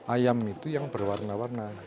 ayam itu yang berwarna warna